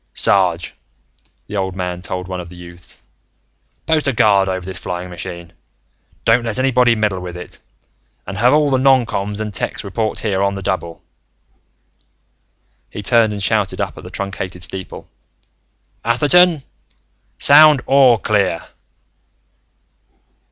"Sarge," the old man told one of the youths, "post a guard over this flying machine. Don't let anybody meddle with it. And have all the noncoms and techs report here, on the double." He turned and shouted up at the truncated steeple: "Atherton, sound 'All Clear!'"